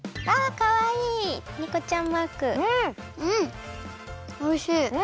おいしい！